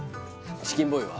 チキンボーイは？